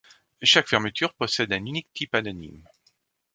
Chaque fermeture possède un unique type anonyme.